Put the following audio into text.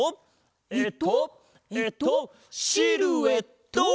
えっとえっとシルエット！